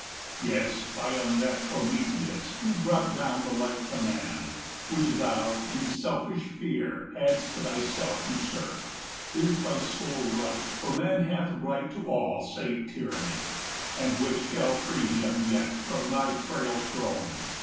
Yes, I am that Prometheus who brought down The light to man, which thou, in selfish fear, 105 Hadst to thyself usurped, his by sole right, For Man hath right to all save Tyranny, And which shall free him yet from thy frail throne.